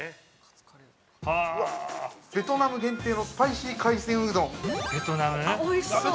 ◆ベトナム限定のスパイシー海鮮うどん。